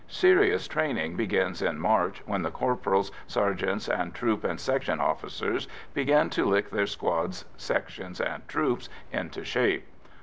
Serious training begins in March, when the corporals, sergeants, and troop and section officers begin to lick their squads, sections, and troops into shape.